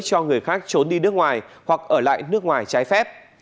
cho người khác trốn đi nước ngoài hoặc ở lại nước ngoài trái phép